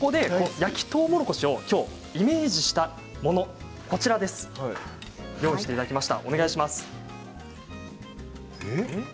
焼きとうもろこしをイメージしたものを用意していただきました。